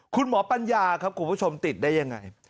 ปัญญาครับคุณผู้ชมติดได้ยังไง